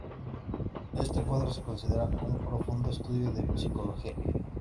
Este cuadro se considera un profundo estudio de psicología.